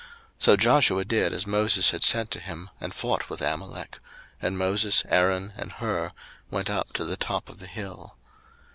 02:017:010 So Joshua did as Moses had said to him, and fought with Amalek: and Moses, Aaron, and Hur went up to the top of the hill.